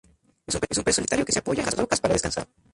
Es un pez solitario que se apoya en las rocas para descansar.